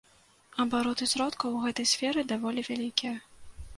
Абароты сродкаў у гэтай сферы даволі вялікія.